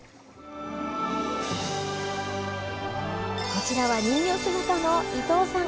こちらは人魚姿の伊藤さん。